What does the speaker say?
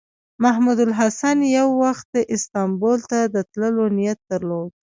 محمود الحسن یو وخت استانبول ته د تللو نیت درلود.